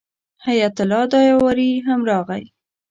حیات الله داوري هم راغی.